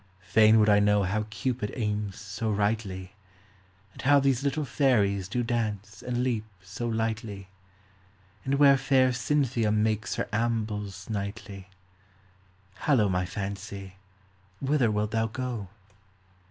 Fain would I know how Cupid aims so rightly ; And how these little fairies do dance and leap so lightly ; And where fair Cynthia makes her ambles nightly. Hallo, my fancy, whither wilt thou go